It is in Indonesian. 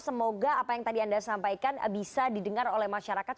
semoga apa yang tadi anda sampaikan bisa didengar oleh masyarakat